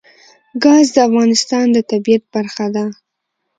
ګاز د افغانستان د طبیعت برخه ده.